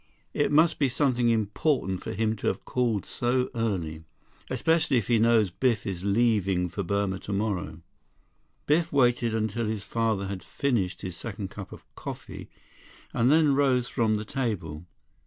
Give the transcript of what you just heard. "It must be something important for him to have called so early. Especially if he knows Biff is leaving for Burma tomorrow." Biff waited until his father had finished his second cup of coffee, and then rose from the table.